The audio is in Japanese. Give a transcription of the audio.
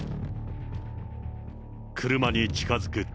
車に近づくと。